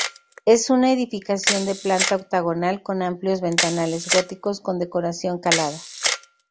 Es una edificación de planta octagonal con amplios ventanales góticos con decoración calada.